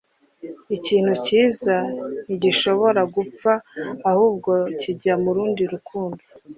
ikintu cyiza ntigishobora gupfa, ahubwo kijya mu rundi rukundo